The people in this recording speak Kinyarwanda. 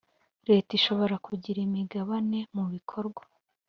Leta ishobora kugira imigabane mu bikorwa